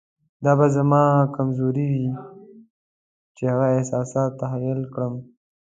دا به زما کمزوري وي چې هغه احساسات تحلیل کړم.